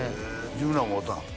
自分らも会うたん？